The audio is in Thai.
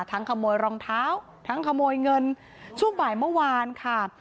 ขโมยรองเท้าทั้งขโมยเงินช่วงบ่ายเมื่อวานค่ะ